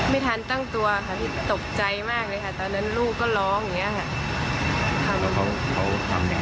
ไม่ทันตั้งตัวค่ะพี่ตกใจมากเลยค่ะตอนนั้นลูกก็ร้องอย่างนี้ค่ะ